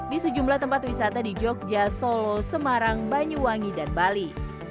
di sejumlah tempat wisata di jogja solo semarang banyuwangi dan bali